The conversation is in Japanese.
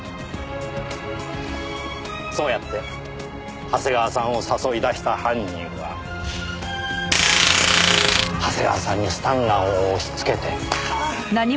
そうやって長谷川さんを誘い出した犯人は長谷川さんにスタンガンを押し付けて。